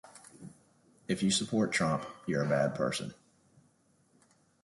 If you support Trump, you're a bad person.